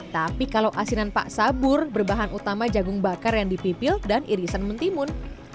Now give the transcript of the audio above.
tapi kalau asinan pak sabur berbahan utama jagung bakar yang dipipil dan irisan mentimun